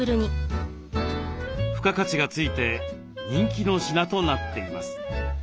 付加価値が付いて人気の品となっています。